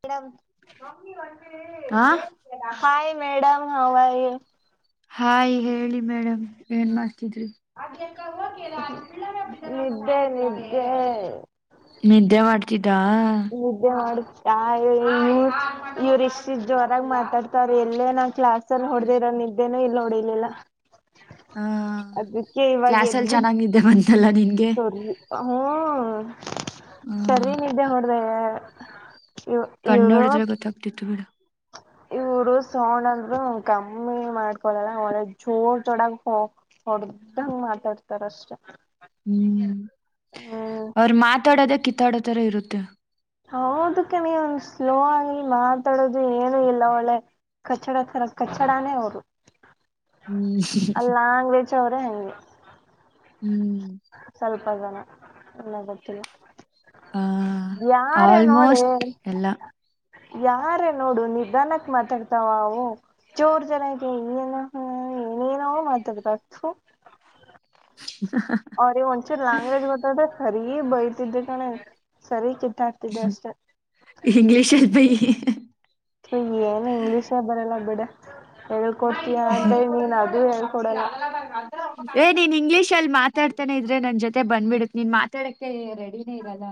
Madam ಹಾ hi madam how are you? Hi ಹೇಳಿ madam ಏನ್ ಮಾಡ್ತಿದ್ರಿ? ಅದ [unintelligible] ಹ್ಮ್ ನಿದ್ದೆ ನಿದ್ದೆ. ನಿದ್ದೆ ಮಾಡ್ತಿದ್ದಾ? ನಿದ್ದೆ ಮಾಡ್ತಿದ್ದಾ ಇವ್ರಿಷ್ಟಿಷ್ಟ್ ಜೋರಾಗಿ ಮಾತಾಡ್ತಾವ್ರೆ ಎಲ್ಲೇ ನಾ ಕ್ಲಾಸ್ ಸಲ್ ಹೊಡ್ದಿರೋ ನಿದ್ದೇನೆ ಇಲ್ಲ್ ಹೋಡಿಲಿಲ್ಲ. ಹಾ ಕ್ಲಾಸಲಾ ಎದ್ಬಿಟ್ಟ ಚೆನ್ನಾಗ್ ನಿದ್ದೆ ಬಂತಲ್ಲ ನಿನ್ಗೆ. ಹ್ಮ ಹ್ಮ್ ಸರೀಗ್ ನಿದ್ದೆ ಮಾಡ್ದೆ ಇ ಕಣ್ಣೋಡುದ್ರೆ ಗೊತ್ತಾಗ್ತಿತ್ತು ಬಿಡು. ಇವ್ರು ಸೊಣಂದ್ರು ಕಮ್ಮಿನೇ ಮಾಡ್ಕೊಳಲ್ಲ ಒಳೆ ಜೋಡ್ ಜೋಡಾಗ್ ಹ ಹೊಡ್ದಂಗ ಮಾತಾಡ್ತಾರಷ್ಟೆ. ಹ್ಮ್ ಅವ್ರ್ ಮಾತಾಡೋದೆ ಕಿತ್ತಾಡೋತರ ಇರುತ್ತೆ. ಹೌದಕಣೆ ಒಂದು ಸ್ಲೋ ಆಗಿ ಮಾತಾಡೋದು ಏನು ಇಲ್ಲ ಒಳ್ಳೆ ಕಚ್ಚಡ ತರ ಕಚ್ಚಡಾನೇ ಅವರು ಹ್ಮ್ ಆ ಲಾಂಗ್ವೆ ಚ್ಚವ್ರೆ. ಹ್ಮ್ ಸ್ವಲ್ಪ ಜನ ಎಲ್ಲ ಗೊತ್ತಿಲ್ಲ. ಆ ಯಾರ ಆಲ್ಮೋಸ್ಟ್ ಎಲ್ಲ. ಯಾರೇ ನೋಡು ನಿಧಾನಕ್ ಮಾತಾಡ್ತಾವ ಅವು. ಜೋರ್ ಜೋರಾಗೀ ಏನೇನೊ ಏನೋ ಮಾತಾಡ್ತವ್ ತು. ಹ ಹ. ಅವ್ರಿಗೆ ಒಂಚೂರ್ ಲಾಂಗ್ವೇಜ್ ಗೊತ್ತಾದ್ರೆ ಸರೀ ಬೈತಿದ್ದೆ ಕಣೆ ಸರಿ ಚಿತ್ತ ಹ್ಮ ಇಂಗ್ಲೀಷಲ್ ಬೖಯೆ. ನಂಗೇನು ಇಂಗ್ಲೀಷೇ ಬರಲ್ಲ ಬಿಡೆ ಹೇಳ್ಕೊಡ್ತೀಯ ಅಂದ ನೀನ್ ಅದು ಹೇಳ್ ಕೊಡಲ್ಲ. ಏ ನೀನ್ ಇಂಗ್ಲೀಷ್ ಅಲ್ಲಿ ಮಾತಾಡ್ತಾನೆ ಇದ್ರೆ ನನ್ ಜೊತೆ ಬಂದ್ಬಿಡುತ್ತೆ ನೀನ್ ಮಾತಾಡಕ್ಕೆ ರೆಡಿನೇ ಇರಲ್ಲ.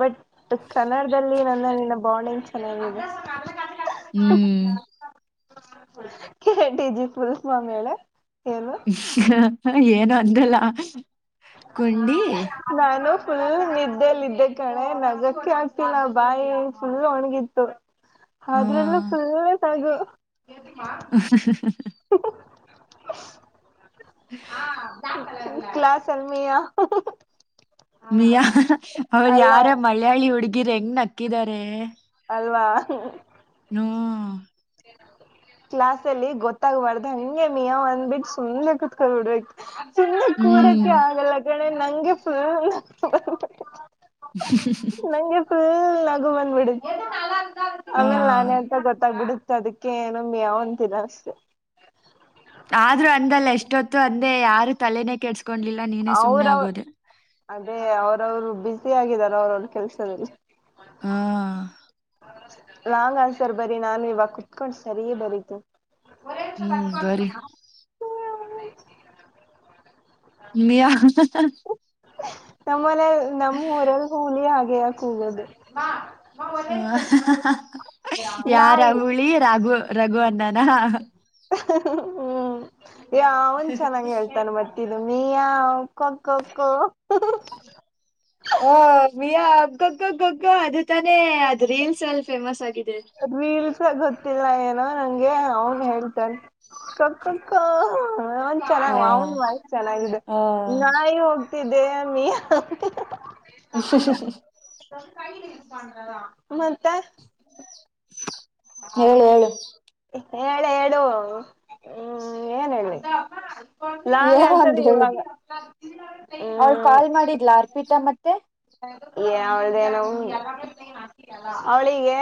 ಬಟ್ ಕನ್ನಡದಲ್ಲಿ ನನ್ನ ನಿನ್ನ ಬಾಂಡಿಂಗ್ ಚೆನ್ನಾಗಿದೆ. ಹ್ಮ್ ಕೆಟಿಜಿ ಫುಲ್ ಫಾರಂ ಹೇಳೇ ಹೇಳು. ಏನೋ ಅಂದ್ಯಲ್ಲ ಕೊಂಡಿ ನಾನು ಫುಲ್ ನಿದ್ದೇಲ್ಲಿದ್ದೆ ಕಣೆ ನಗಕ್ಕೆ ಆಗ್ತಿಲ್ಲ ಬಾಯಿ ಫುಲ್ ಒಣಗಿತ್ತು. ಅದರಲ್ಲೂ ಹಾ ಫುಲ್ಲು ನಗು. ಹ ಹ ಹ ಹ. ಹ [inaudible] ಕ್ಲಾಸ್ ಎಲ್ಮಿಯಾ ಮಿಯಾ ಅವ್ರು ಅಲ್ಲ ಯಾರ ಮಲಯಳಿ ಹುಡ್ಗಿರ್ ಹೆಂಗ್ ನಕ್ಕಿದ್ದಾರೆ ಅಲ್ವಾ ನು [unintelligible] ಕ್ಲಾಸ್ ಅಲ್ಲಿ ಗೊತ್ತಾಗ್ಬಾರ್ದ ಹಂಗೆ ಮಿಯ ಅಂಧ್ಬಿಟ್ಟು ಬಿಟ್ಟ ಸುಮ್ನೆ ಕುೂತ್ಕೊಬಿಡ್ಬೇಕು ಸುಮ್ನೆ ಹ್ಮ್ ಕೂರಕ್ಕೆ ಆಗಲ್ಲ ಗಣೆ ನಂಗೆ ಫುಲ್ [unintelligible] ನಂಗೆ ಫುಲ್ ನಗು ಬಂದ್ಬಿಡ ಆ ಆಮೇಲೆ ನಾನೇ ಅಂತ ಗೊತ್ತಾಗ್ಬಿಡುತ್ತ ಅದಕ್ಕೆ ಏನು ಮ್ಯಾವ್ ಅಂತೀನಿ ಅಷ್ಟೆ ಆದ್ರೂ ಅಂದಲ್ಲ ಎಷ್ಟೊತ್ತು ಅಂದೇ ಯಾರು ತಲೆನೆೇ ಕೆಡಿಸಿಕೊಳಿಲ ಕಣಲಿಲ್ಲ ನೀ ಅವರವ ಅದೇ ಅವ್ರವ್ರು ಬ್ಯುಸ ಆಗಾರ ಅವರವ್ರ ಕೆಲ್ಸದಲ್ಲಿ ಹಾ ಲಾಂಗ್ ಆನ್ಸರ್ ಬರಿ ನಾನು ಇವಾಗ ಕುತ್ಕೊಂಡು ಸರಿ ಬರೀತೀನಿ ಹ್ ಬರಿ ಮ್ಯಾ ಹಾ ನಮ್ಮಲೆ ನಮ್ಮ್ೂಊರಲ್ ಹುಲಿ ಆಗೆ ಕೂಗೋಧು ಹ ಯಾರ ನಾಯಿ ಹುಳಿ ರಘು ರಘು ಅನ್ನಾನ ಹ್ಮ್ ಯ ಅವನ್ ಚೆನ್ನಾಗಿ ಹೇಳ್ತಾನ ಮತ್ತೆ ಇದು ಮಿಯಾವ್ ಕೋಕೋ [unintelligible] ಹ ಮಿಯಾ ಅಗ್ಗಗ್ಗಗ್ಗಗ್ಗ ಅದು ತಾನೇ ಅದ್ ರೀಲ್ಸ್ ಅಲ್ಲಿ ಫೇಮಸ್ ಆಗಿದೆ ರೀಲ್ಸ ಗೊತ್ತಿಲ್ಲ ಏನೋ ನಂಗೆ ಅವನು ಹೇಳ್ತನ ಕಕ್ಕಕ್ಕ ಅವನ್ ಹಾ ಚೆನ್ನಾಗ ಅವನ್ ವಾಯಸ್ ಚೆನ್ನಾಗಿದೆ ಹಾ ನೋಗ ಇದೆ ಮಿಯಾ ಹ ಹ [unintelligible] ಮತ್ತೆ [unintelligible] ಹಾ ಹೇಳು ಹೇಳು ಹೇಳ ಹೇಳು ಹ್ಮ ಏನ್ ಹೇಳಿ ಲಾಂಗ ಏನೋ ಆನ್ಸರ್ ಇವಾಗ ಅವ್ಳ ಹ್ಮ್ ಕಾಲ್ ಮಾಡಿದ್ಲಾರ್ಪೀತಾ ಮತ್ತೆ ಅವಳ್ದನ ಅವಳಿಗೆ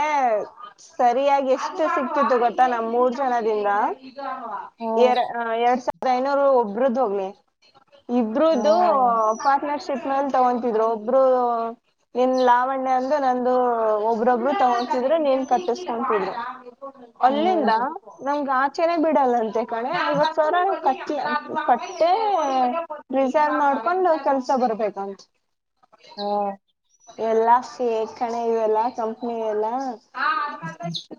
ಸರಿಯಾಗಿ ಎಷ್ಟು ಸಿಗ್ತಿತ್ತು ಗೊತ್ತಾ ನಮ ಮೂರ್ ಜನದಿಂದ ಹಾ ಎ ಎರಡ್ ಸಾವ ಅೈನವರು ಒಬ್ರದು ಹೋಗ್ಲಿ ಹಾ ಇಬ್ರದು ಪಾರ್ಟ್ನರ್ಶಿಪ್ ನಲ್ಲಿ ತಗೊತಿದ್ರು ಒಬ್ರು ಇನ್ ಲಾವಣ್ಯ ಅಂದ ನಂದು ಒಬ್ರೊಬ್ರು ತಗೊತಿದ್ರೆ ನೀನ್ ಕಟ್ಟಿಸ್ ಕ್ರ ಹ್ಮ್ ಅಲ್ಲಿಂದ ನಮಗ ಆಚೆನೇ ಬಿಡಲ್ಲಂತೆ [unintelligible] ಕಟ್ಟೆ ರಿಸೈನ್ ಮಾಡ್ಕೊಂಡ್ ಕೆಲ್ಸ ಬರ್ಬೇಕಂತೆ ಹಾ ಎಲ್ಲಾ ಫೇಕ್ ಕಣ ಇವೆಲ್ಲ ಕಂಪ್ನಿ ಇವೆಲ್ಲ [unintelligible]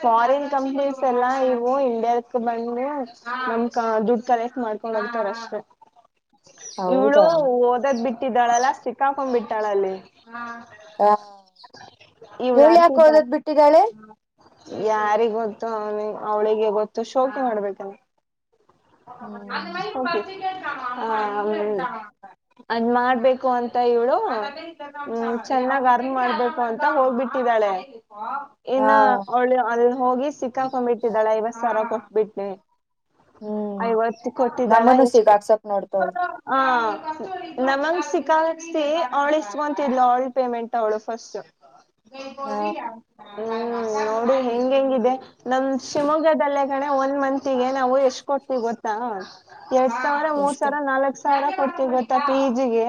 ಫಾರಿನ್ ಕಂಪ್ನೀಸ್ ಎಲ್ಲಾ ಇವು ಇಂಡಿಯಕ್ ಬಂದು ನಮ ದುಡ್ ಕಲೆಕ್ಟ್ ಮಾಡ್ತವಿ ಹಿಂಗ ಅಂತಾರ ಅಷ್ಟೆ. [inaudible] ಇವಳು ಹೌದಾ ಓದದ್ ಬಿಟ್ಟಿದ್ದಾಳಲ್ಲ ಸಿಕ್ಕಾಕೊಂಡ್ ಬಿಟ್ಟಾಳಲ್ಲಿ. ಹಾ ಇವ್ಳ ಯಾಕ ಹೋದದ್ ಬಿಟ್ಟಿದಾಳೆ. ಯಾರಿಗ ಗೊತ್ತು ಅವ ಅವ್ಳಿಗೆ ಗೊತ್ತು ಶೋಕಿ ಮಾಡ್ಬೇಕ. ಹ್ಮ್ [unintelligible] ಅದ್ ಮಾಡ್ಬೇಕು ಅಂತ ಇವ್ಳು ಹ ಚೆನ್ನಾಗ್ ಅರ್ನ್ ಮಾಡ್ಬೇಕು. ಅಂತ ಹೋಗ್ಬಿಟ್ಟಿದ್ದಾಳೆ. ಹಾ ಇನ್ನು ಅವಳು ಅಲ್ಲಿ ಹೋಗಿ ಸಿಕ್ಕಾಕೊಂಡ್ಬಿಟ್ಟಿದ್ದಾಳೆ ಐವತ್ ಸಾವಿರ ಕೊಟ್ಬಿಟ್ಟನೆ. ಹ್ಮ್ ಐವತ್ತು ಕೊಟ್ಟಿದ್ದಾಳ ನಮ್ಮನ್ನು ಎಷ್ಟು ಸಿಗಾಕ್ಸಕ್ ನೋಡ್ತವಳ ಹಾ. ನಮಂಗ ಸಿಕ್ಕಕ್ಸಿ ಅವಳ ಇಸ್ಕೊಂತಿದ್ಲ ಅವಳ ಪೇಮೆಂಟ್ ಅವಳು ಫಸ್ಟ್. ಹಾ ಹ್ಮ್ ನೋಡಿ ಹೆಂಗ ಹೆಂಗಿದೆ ನಮ ಶಿವಮೊಗ್ಗದಲ್ಲ. ಒಂದ ಮತ್ಗೆ ನಾವು ಎಷ್ಟ್ ಕೊಡ್ತಿವಿ ಗೊತ್ತಾ ಎರಡ್ ಸಾವಿರ ಮೂರ್ ಎಷ್ಟು ಸಾವಿರ ನಾಲ್ಕ ಸಾವ. ಸಾವಿರ ಕೊಡ್ತಿವ ಗೊತ್ತಾ ಪಿ ಜೀ ಗೆ.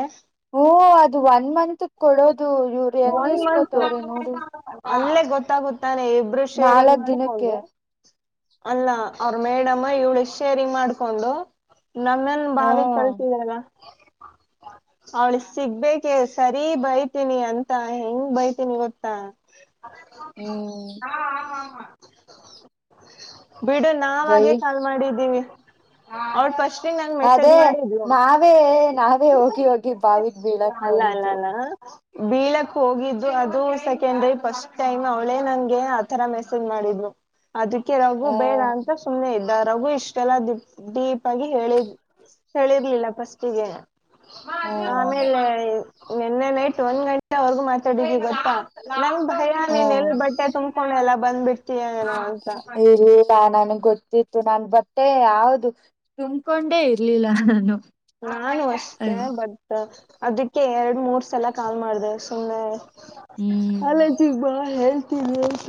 ಹೂ ಅದು ಒನ್ ಮಂತ್ ಗ ಕೊಡೋದು ಇವ್ರ ಹೆಂಗ್ ಒನ್ ಮಂತ್ ಇಸ್ಕೋತವ್ರಿ ನೋಡ. ಅಲ್ಲೇ ಗೊತ್ತಾಗುತ್ತಾನೆ ಇಬ್ರು ಶೇರಿಂಗ್ ನಾಲ್ಕ್ ದಿನಕ್ಕೆ ಮಾಡ್ಕೊಂಡು. ಅಲ್ಲ ಅವ್ರ ಮೇಡಮ್ಮ ಇವಳು ಶೇರಿಂಗ್ ಮಾಡ್ಕೊಂಡು. ನಮ್ಮನ್ ಹಾ ಬಾವಿಗ ತಳ್ಳತಿದ್ರಲ್ಲ. ಅವ್ಳ ಸಿಗ್ಬೇಕ ಇಗ ಸರಿ ಬೈತೀನಿ ಅಂತ. ತ್ತಾ ಹೆಂಗ್ ಬೈತೀನಿ ಗೊತ್ತಾ. ಹ್ಮ್. [inaudible] ಬಿಡು ನಾವ್ ಬೈ ಆಗೆ ಕಾಲ್ ಮಾಡಿದ್ದೀವಿ ಅವಟ್ ಪಫಸ್ಟ್ಂಗ ನಂಗ ಮೆಸೇಜ್ ಅದೇ ಮಾಡಿದ್ಲು. ನಾವೇ ನಾವೇ ಹೋಗಿ ಹೋಗಿ ಬಾವಿಗೆ ಬೀಳಕ್ ನೋಡಿದು. ಆ. ಬೀಳಕ್ ಹೋಗಿದ್ದು ಅದು ಸೆಕೆಂಡ್ರಿ ಫಸ್ಟ್ ಟೈಮ್ ಅವಳೇ ನಂಗೆ ಆತರ ಮೆಸೇಜ್ ಮಾಡಿದ್ಲು. ಅದಕ್ಕೆ ರಗು ಬೇಡ ಹ್ಮ ಅಂತ. ಸುಮ್ನೆ ಇದ್ದ ರಘು ಇಷ್ಟೆಲ್ಲ ದ ಡೀಪ್ ಆಗಿ ಹೇಳಿ ಹೇಳಿರ್ಲಿಲ್ಲ ಫಸ್ಟ್ ಗೆ. ಹ್ಮ ಆಮೇಲೆ ನಿನ್ನೆ ನೈಟ್ ಒಂದ್ ಗಂಟೆ ವರ್ಗು ಮಾತಾಡಿದ್ವಿ ಗೊತ್ತಾ. ನಂಗ ಭಯ ನೀನ್ ಎಲ್ಲಿ ಹ್ಮ ಬಟ್ಟೆ ತುಂಬಕೊಂಡೆಲ್ಲ ಬಂದ್ಬಿಡ್ತೀಯ ಏನ ಅಂತ. ಇಲ್ಲ ನನ್ಗ್ ಗೊತ್ತಿತ್ತು ನಾನು ಬಟ್ಟೆ ಯಾವದು ತುಂಬಕೊಂಡೇ ಇರ್ಲಿಲ್ಲ ನಾನು. ನಾನು ಅಷ್ಟೇ ಬಟ್ ಅದಕ್ಕೆ ಎರಡ್ ಮೂರ್. ಸಲ ಕಾಲ್ ಮಾಡ್ದೇ ಸುಮ್ನೆ ಹ್ಮ್ ಕಾಲೇಜಿಗೆ ಬಾ ಹೇಳ್ತೀನಿ ಅಂತ.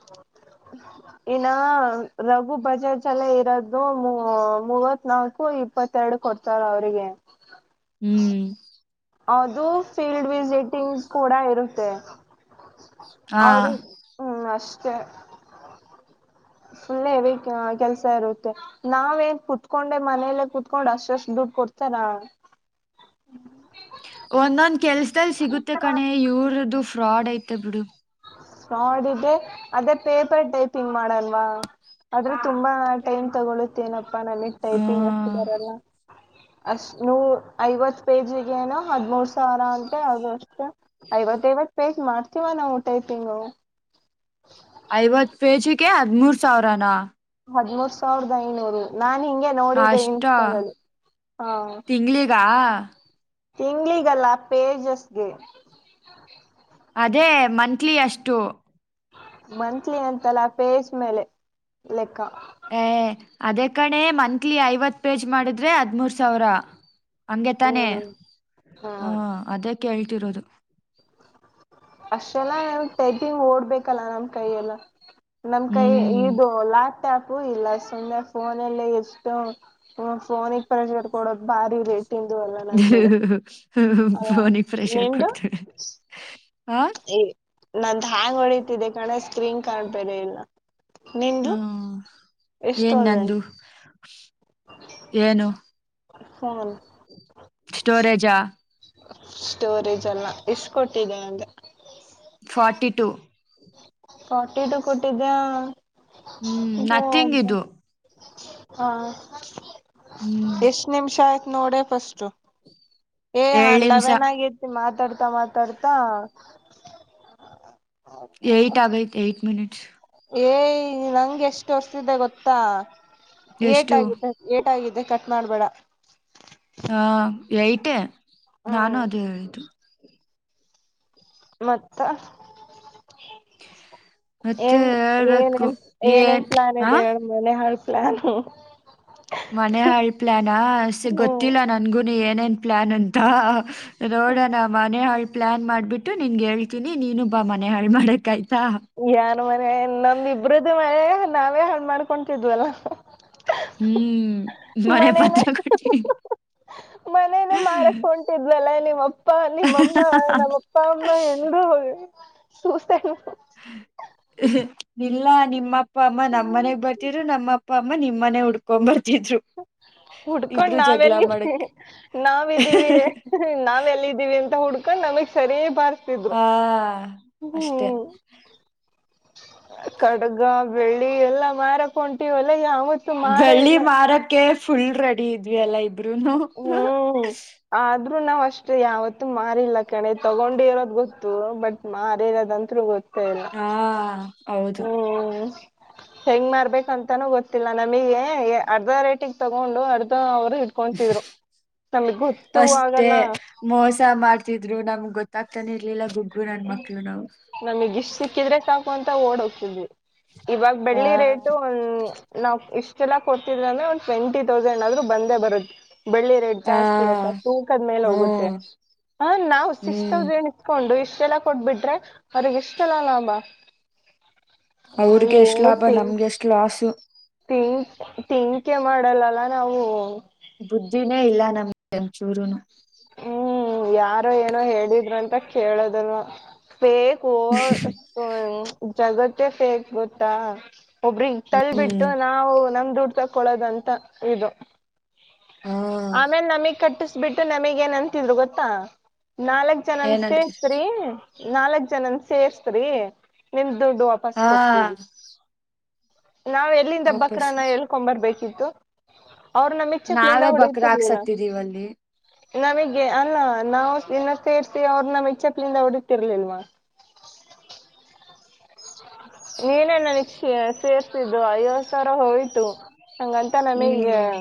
[inaudible] ಇನ್ನ ರಘು ಬಜಾಜ್ ಚಲೆ ಇರೋದು ಮೂ ಮೂವತ್ ನಾಲ್ಕು. ಇಪ್ಪತ್ತೆರಡು ಕೊಡ್ತಾರ ಅವರಿಗೆ. ಹ್ಮ್. ಅದು ಫೀಲ್ಡ್ ವಿಸಿಟಿಂಗ್ ಕೂಡ ಇರುತ್ತೆ. ಹ ಅವ್ರಿಗ್ ಹ್ಮ್ ಅಷ್ಟೇ. ಫುಳ್ಳೆ ವ ಕೆಲ್ಸ ಇರುತ್ತೆ. ನಾವೇನ್ ಕುೂತ್ಕೊಂಡೆ ಮನೇಲ್ಲ ಕುತ್ಕೊಂಡ್ ಅಷ್ಟಷ್ಟು ದುಡ್ಡು ಕೊಡ್ತಾರಾ. ಒಂದೊಂದ್ ಕೆಲ್ಸದಲ್ಲಿ ಸಿಗುತ್ತೆ ಕಣೆ ಇವರದು ಫ್ರಾಡ್ ಐತೆ ಬಿಡು. ನೋಡಿದ್ದೆ ಅದೇ ಪೇಪರ್ ಟೈಪಿಂಗ್ ಮಡನ್ವ. ಆದ್ರೆ ತುಂಬಾ ಟೈಮ್ ತಗೊಳುತ್ತೇನಪ್ಪಾ ನಮಗ್ ಟೈಪಿಂಗ್. ಹ್ಮ ಬರಲ್ಲ ಅಷ್ಟ ಐವತ್ತು ಪೇಜಿಗೆ ಏನೂ ಹದಿಮೂರು. ಸಾರ ಅಟ ಅ ಅಷ್ಟು ಐವತ್ತೈವತ್ತು ಪೇಜ್ ಮಾಡ್ತೀವ ನಾವು ಟೈಪಿಂಗು. ಐವತ್ತು ಪೇಜಿಗೆ ಹದಮೂರು ಸಾವಿರನಾ. ಹದ್ಮೂರ್ ಸಾವಿರದ ಐನೂರು ನಾನ್ ಹಿಂಗೆ. ನೋಡಿದ್ದ ಅಷ್ಟ ಇನ್ಸ್ಟಾ ದಲ್ಲಿ ಹ. ತಿಂಗ್ಳಿಗ ತಿಂಗಳಿಗಲ್ಲ ಪೇಜಸ್ಗೆ. ಅದೇ ಮಂತ್ಲಿ ಎಷ್ಟು. ಮಂತ್ಲಿ ಅಂತಲ್ಲ ಪೇಜ್ ಮೇಲೆ ಲೆಕ್ಕ. ಏ ಅದೇ ಕಣೆ ಮಂತ್ಲಿ ಐವತ್ತು ಪೇಜ್ ಮಾಡಿದ್ರೆ ಹದಿಮೂರು ಸಾವಿರ. ಹಂಗೆ ತಾನೆ ಹ್ಮ್ ಹ ಹಾ. ಅದೇ ಕೇಳ್ತಿರೋದು. ಅಷ್ಟೆಲ್ಲಾ ನ ಟೈಪಿಂಗ್ ಓಡ್ಬೇಕಲ್ಲ ನಮ್ ಕೈಯ ಎಲ್ಲ ನಮ್ ಕೈ ಹ್ಮ್ ಇದು ಅಲ್ಲಾ. ಟ್ಯಾಪು ಇಲ್ಲ ಸುಮ್ಮನೆ ಫೋನ ಅಲ್ಲಿ ಎಷ್ಟು ಫೋನ್ ಇ. ಪ್ರೆಜ್ಡ್ ಕೊಡೋದು ಭಾರಿ ರೇಟ ಇಂದು ಅಲ್ಲ ನಂದ ಬಿಡು. ಹ್ಮ ಅ ಪೋನಿಗೆ ಪ್ರ್ರೆಷರ್ ಕೊಡ್ತಾಳೆ ಹ. ನಂದ ಹ್ಯಾಂಗ್ ಹೊಡಿತಿದ್ದೆ ಕಣೆ ಸ್ಕ್ರೀನ್ ಕಾರ್ಡ್ ಬೇರೆ ಇಲ್ಲ. ನಿಂದು ಹ್ಮ ಏನ್ ಎಷ್ಟೋದೆ ನಂದು ಏನು. ಪೋನ್. ಸ್ಟೋರೇಜಾ. ಸ್ಟೋರೇಜ್ ಎಲ್ಲ ಎಷ್ಟ ಕೊಟ್ಟಿದ್ದೆ ಅಂದೆ. ಫಾರ್ಟಿ ಟು.. ಫಾರ್ಟಿ ಟು ಕೊಟ್ಟಿದ್ದ ಹ್ಮ್ ಇದ ನಥಿಂಗ್ ಅದ. ಇದು ಹಾ. ಹ್ಮ್. ಎಷ್ಟ್ ನಿಮಿಷ ಆಯ್ತು ನೋಡ ಫಸ್ಟ್ ಏ ಹಾ ಏಳು ನಿಮಿಷ ಲೆವೆನ್ ಆಗ. ಮಾತಾಡ್ತಾ ಮಾತಾಡ್ತಾ. ಏಯ್ಟ್ ಆಗೈತೆ ಏಟ ಮಿನಿಟ್ಸ್. ಏಯ ನಂಗೆ ಎಷ್ಟು ತೋರಸ್ತಿದೆ ಗೊತ್ತಾ ಏಟ್ ಎಷ್ಟು ಆಗಿದೆ. ಏಟ ಅಗಿದೆ ಕಟ್ ಮಾಡ್ಬೇಡ. ಹ ಏಟ್ ಏ ನಾನು ಹ್ಮ್ ಅದು ಹೇಳಿದ್ದು. ಮತ್ತ. ಮತ್ತೆ ಏನ್ ಹೇಳ್ಬೇಕು ಏನೇನ್ ಏನೇನ್ ಏನ್ ಪ್ಲಾನ್ ಆ ಇದೆ ಹೇಳ. ಮನೆ ಹಾಳ್ ಪ್ಲಾನು. ಮನೆ ಹಾಳ್ ಪ್ಲಾನ ಸೆ ಹ್ಮ್ ಗೊತ್ತಿಲ್ಲ ನನ್ಗುನು ಏನೇನ್ ಪ್ಲಾನ್ ಅಂತ. ನೋಡಣ ಮನೆ ಹಾಳ್ ಪ್ಲ್ಯಾನ್ ಮಾಡಿಬಿಟ್ಟು ನಿನ್ಗೆ ಹೇಳ್ತೀನಿ ನೀನುಬ್ ಬಾ ಮನೆ ಹಾಳು ಮಾಡಕ್ ಆಯ್ತಾ. ಯನ್ ಮನೆ ನಮ ಇಬ್ರ್ದ ಮನೆಯ ನಾವೇ ಹಾಳ್ ಮಾಡ್ಕೊತಿದ್ವಲ್ಲ. ಹ್ಮ್. ಮನೆ ಪತ್ರ ಕೊಟ್ಟಿ ಮನೆ. ಮಾರಕ್ ಹೊಂಟಿದ್ವಲ್ಲ ನಿಮ್ಮಪ್ಪ ನಿಮ್ಮಮ್ಮ ನಮ್ಮ್ ಅಪ್ಪ ಅಮ್ಮ ಎಲ್ರೂ ಹೋಗವಿ. ಸುತ. [unintelligible] ಇಲ್ಲ ನಿಮ್ಮ ಅಪ್ಪ ಅಮ್ಮ ನಮ್ಮನೆಗ್ ಬರ್. ಇರು ನಮ್ಮಪ್ಪ ಅಮ್ಮ ನಿಮ್ಮನೆ ಹುಡ್ಕೊಂಡ್ ಬರ್ತಿದ್ರು. ಹುಡ್ಕೊಂಡ್ ಇಬ್ರು ನಾವ ಜಗಳ ಎಲ್ಲಿಇದ್ದವಿ ಮಾಡಕ್ಕೆ ನಾವಿದ್ದೀವಿ. ನಾವ್ ಎಲ್ಲಿ ಇದ್ದಿವಿ ಅಂತ ಹುಡ್ಕೊಂಡ್ ನಮಗ್ ಸರಿಯ ಬಾರ್. ಹಾ ಅಷ್ಟೇ. ಕಡ್ಗ ಬೆಳ್ಳಿ ಎಲ್ಲಾ ಮಾರಕಹೋಂಟೀವ ಎಲ್ಲ ಯಾವತ.. ಬೆಳ್ಳಿ ಮಾರಕ್ಕೆ ಫುಲ್ ರೆಡಿ ಇದ್ವಿ ಅಲ್ಲಾ ಇಬ್ರುನು. ಹ್ಮ್ ಆದ್ರೂ ನಾವ್ ಅಷ್ಟ ಯಾವತ್ತು ಮಾರಿಲ್ಲ ಕಣೆ ತಗೊಂಡೇ ಇರೋದು ಗೊತ್ತು ಬಟ್ ಮಾರಿರದು ಅಂತ್ರುಗೊತ್ತಿಲ್ಲ. ಹಾ ಇಲ್ಲ ಹೌದು ಹು ಹು ಹೆಂಗ್ ಮಾರರ್ಬೇಕಂತಾನೂ ಗೊತ್ತಿಲ್ಲ ನಮಗೆ ಎ ಅರ್ಧ ರೇಟಿಗೆ ತಗೊಂಡು ಅರ್ಧ ಅವರು ಕೊಂತಿದ್ರು ನಮ್ಗೊತ್ತು ಅಷ್ಟೇ ಆಗಲ್ಲ. ಮೋಸ ಮಾಡ್ತಿದ್ರು ನಮ್ಗ್ ಗೊತ್ತಾಗ್ತಾನೆ ಇರ್ಲಿಲ್ಲ ಗುಗ್ಗು ನನ್ ಮಕ್ಳು ನಾವು. ನಮಗ್ ಇಷ್ಟ ಸಿಕ್ಕಿದ್ರೆ ಸಾಕು ಅಂತ ಓಡ ಹೋಗ್ತಿದ್ವಿ ಇವಾಗ ಬೆಳ್ಳಿ ಹ ರೇಟು ಒನ್ ನಾವ್ ಇಷ್ಟೆಲ್ಲ ಕೊಡ್ತಿದ್ರ ಅಂದ್ರೆ ಒಂದ್ ಟ್ವೆಂಟಿ ತೌಸಂಡ್ ಆದ್ರೂ ಬಂದೇ ಬರುತ್ತೆ ಬೆಳ್ಳಿ ರೇಟ್ ಹ ಜಾಸ್ತಿ ಆತ ತೂಕದ್ಮೇಲೆ ಹೋಗುತ್ತೆ ಹ್ಮ್ ಹ ನಾವು ಸಿಕ್ಸ ಹ್ಮ್ ತೌಸಂಡ್ ಇತ್ಕೊಂಡು ಇಷ್ ಎಲ್ಲ ಕೊಟ್ಟಬಿಟ್ರ ಅವ್ರರಿಗೆ ಇಷ್ಟಲ್ಲ ಲಾಭ ಅವ್ರಗೆ ಎಷ್ಟು ಲಾಭ ನಮಗೆ ಎಷ್ಟು ಲಾಸು. ಥಿ ಥಿಂಕೆ ಮಾಡಲ್ಲಲ್ಲ ನಾವು. ಬುದ್ಧಿನೇ ಇಲ್ಲ ನಮ್ಗೆ ಒನ್ ಚೂರುನು. ಹ್ಮ್ ಯಾರೋ ಏನೋ ಹೇಳಿದ್ರು ಅಂತ ಕೇಳೋದಲ್ಲ [unintelligible] ಕೋ ಜಗತ್ತೇ ಫೇಕ್ ಗೊತ್ತಾ ಒಬ್ರಗ್ ತಳ್ಬಿಟ್ಟು ಹ್ಮ್ ನಾವು ನಮ್ದ ದುಡ್ ತಕ್ಕೊಳೋದ ಅಂತಾ ಇದು. ಹಾ ಆಮೇಲೆ ನಮಗ್ ಕಟ್ಟಿಸಬಿಟ್ಟು ನಮಗ್ ಏನ್ ಅಂತಿದ್ರು ಗೊತ್ತಾ ನಾಲ್ಕ್ ಜನನ್ ಏನಂದ್ರೆ ಸೇರ್ತ್ರಿ ನಾಲ್ಕ್ ಜನನ್ ಸೇರ್ಸ್ತ್ರಿ ನಿಮ್ ದುಡ್ಡು ತಸ್ ಹಾ ಕೊಡ್ತವಿ ನಾವ ಎಲ್ಲಿಂದ ಬಕ್ರ ವಾಪಸ್ ನ ಹೇಳು. [unintelligible] ಬರ್ಬೇಕಿತ್ತು ಅವರು ನಮಗೆ ನಾವೇ ಬಕ್ರ ಆಗಿ ಸತ್ತಿದ್ದೀವಿ ಅಲ್ಲಿ. ನಮಗೆ ಅಲ್ಲ ನಾವು ಇನ್ನ ಸೇರ್ಸಿ ಅವ್ರ ನಮಗ್ ಚಪ್ಲಿಂದ ಹೊಡತಿರ್ಲಿಲ್ವ. ನೀನೇನ ನ [unintelligible] ಸೇರ್ಸಿದ್ದು ಐವತ್ತ ಸಾವಿರ ಹೋಯ್ತು. ಹಂಗಂತ ನಮಿಗೆ ಹ್ಮ್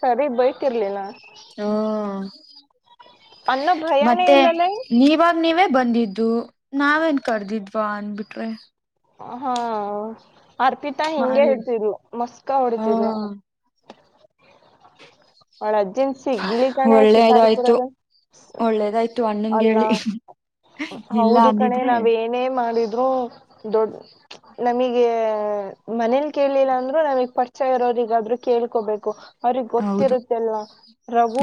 ಸರಿ ಬಯ್ತಿರ್ಲಿಲ್ಲ. ಹ್ಮ ಅನ್ನೋ ಭಯಾನೇ ಮತ್ತೆ ಇಲ್ಲಲೇ ನೀವಾಗ ನೀವೇ ಬಂದಿದ್ ಇದು ನಾವೇನ್ ಕರ್ದಿದ್ವಾ ಅಂದಬಿಟ್ರೆ. ಹಾ ಅರ್ಪಿತಾ ಹಿಂಗೆ ಮಾಡಿ ಹೇಳ್ತಿದ್ಲು ಮಸ್ಕ ಹಾ ಹೊಡತಿದ್ಲು. ಅವಳ್ ಅಜ್ಜಿನ್ ಶಿಗ್ಲಿ ಕಣೆ ಒಳ್ಳೇದಾಯ್ತು ಶಿಕಾರಿಪುರದ. ಒಳ್ಳೇದಾಯ್ತು ಅಣ್ಣಂಗ ಹೇಳಿ. ಇಲ್ಲ ಹೌದು ಕಣೆ ಅಂದಿದ್ರೆ ನಾವ್ ಏನೇ ಮಾಡಿದ್ರು ದೊಡ್ಡ ನಮಗೆ ಮನೇಲಿ ಕೇಳಲಿಲ್ಲ ಅಂದ್ರು ನಮಗೆ ಪರಿಚಯ ಇರೋರಿಗಾದ್ರು ಕೇಳ್ಕೋಬೇಕು. ಅವ್ರಿಗೆ ಹೌದು ಗೊತ್ತಿರುತ್ತೆ ಅಲ್ವಾ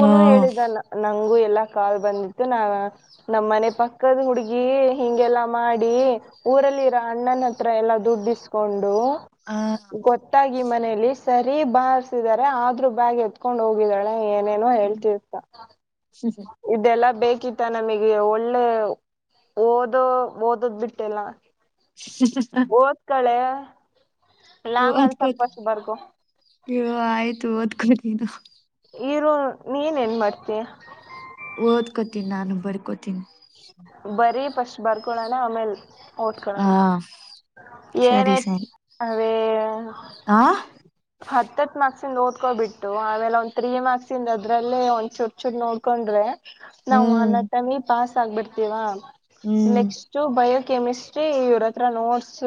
ಹಾ ಹೇಳಿದಾನ. ನಂಗು ಎಲ್ಲಾ ಕಾಲ್ ಬಂದಿತ್ತು ನಾ ನಮ್ಮನೆ ಪಕ್ಕದ ಹುಡ್ಗಿ ಹಿಂಗೆಲ್ಲಾ ಮಾಡಿ ಊರಲ್ಲಿರೋ ಅಣ್ಣನ ಹತ್ರ ಎಲ್ಲಾ ದುಡ್ಡಿಸ್ಕೊಂಡು ಹಾ ಗೊತ್ತಾಗಿ ಮನೇಲಿ ಸರಿ ಬಾರ್ಸಿದ್ದಾರೆ ಆದ್ರು ಬ್ಯಾಗ ಏತ್ ಕಕೊಂಡ್ ಹೋಗಿದಾಳೆ ಏನೇನೋ ಹೇಳ್ತಿರ್ತ್ತಾ ಹ್ಮ ಹ್ಮ [unintelligible] ಇದೆಲ್ಲಾ ಬೇಕಿತ್ತ ನಮಗೆ ಒಳ್ಳೆ ಓದೋ ಓದದ್ ಬಿಟ್ಟೆಲ್ಲ. ಹ [unintelligible] [unintelligible] ಓದ್ಕೊಳೆ. ಓದ್ಕೋತ್ ಆಯ್ತು ಓದ್ಕೋ [unintelligible] [unintelligible] ಇರು ನೀನ್ ಏನ್ ಮಾಡ್ತೀಯ? ಓದ್ಕೋತೀನಿ ನಾನು ಬರ್ಕೋತೀನಿ. ಬರಿ ಫಸ್ಟ್ ಬರ್ಕೊಳಣ ಆಮೇಲ್ ಹಾ ಓದ್ಕೊಳೊಣ. ಸರಿ ಏನೇ ಸರಿ [unintelligible] ಅವಿ ಆ ಹತ್ತತ್ ಮಾರ್ಕ್ಸಿಂದ ಓದ್ಕೊಬಿಟ್ಟು ಆಮೇಲ್ ಒಂದ್ ತ್ರೀ ಮಾರ್ಕ್ಸ್ ಇಂದ ಅದ್ರಲ್ಲೇ ಒಂದ್ ಚೂರ್ ಚೂರ್ ನೋಡ್ಕೊಂಡ್ರೆ ನಾವ ಹ್ಮ್ ಅಣ್ಣಾ ತಂಗಿ ಪಾಸ್ ಆಗ್ಬಿಡ್ತೀವಾ. ಹ್ಮ್ ನೆಕ್ಸ್ಟ್ ಬಯೋ ಕೆಮಿಸ್ಟ್ರಿ ಇವ್ರ ಹತ್ರ ನೋಟ್ಸ್